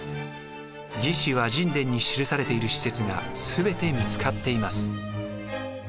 「魏志」倭人伝に記されている施設が全て見つかっています。